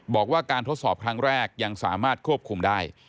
บอกว่าการทดสอบครั้งแรกยังสามารถควบคุมได้